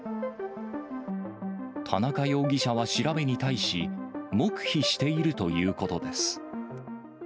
田中容疑者は調べに対し、黙秘しているということです。